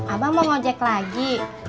abang mau ngejek lagi